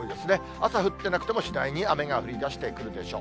朝降ってなくても次第に雨が降りだしてくるでしょう。